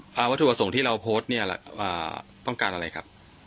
วัตถุประสงค์ที่เราโพสต์เนี่ยต้องการอะไรครับ